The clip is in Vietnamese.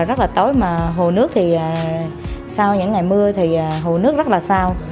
rất là tối mà hồ nước thì sau những ngày mưa thì hồ nước rất là sao